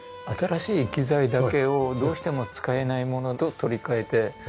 新しい木材だけをどうしても使えないものと取り換えて。